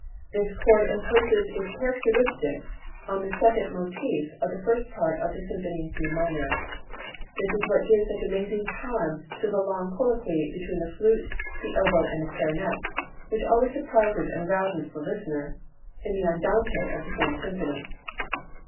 This chord imposes its characteristics on the second motif of the first part of the Symphony in C minor. This is what gives such amazing charm to the long colloquy between the flute, the oboe and the clarinets, which always surprises and arouses the listener, in the andante of the same symphony.